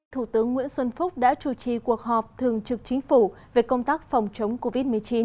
thủ tướng nguyễn xuân phúc đã chủ trì cuộc họp thường trực chính phủ về công tác phòng chống covid một mươi chín